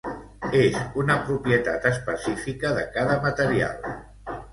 És una propietat específica de cada material.